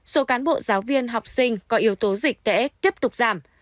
số cán bộ giáo viên học sinh có yếu tố dịch tễ tiếp tục giảm